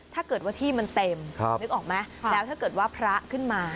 ถ้าเกิดว่าที่มันเต็มนึกออกไหมแล้วถ้าเกิดว่าพระขึ้นมา